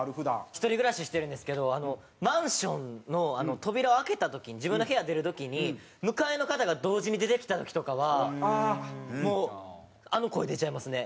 一人暮らししてるんですけどマンションの扉を開けた時に自分の部屋出る時に向かいの方が同時に出てきた時とかはもうあの声出ちゃいますね。